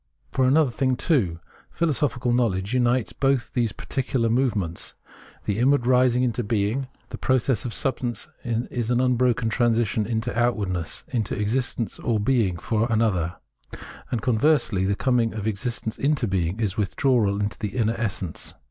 For another thing, too, philosophical knowledge unites both these particular movements. The inward rising into being, the process of substance, is an unbroken transition into outwardness, into existence or being for another ; and conversely, the coming of existence into being is withdrawal into the inner essence.